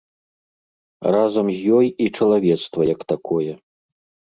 А разам з ёй і чалавецтва як такое.